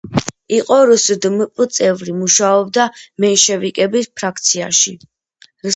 იყო რსდმპ წევრი, მუშაობდა მენშევიკების ფრაქციაში.